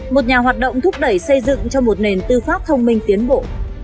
một nhà hoạt động thúc đẩy xây dựng cho một nền tư pháp thông minh tiến bộ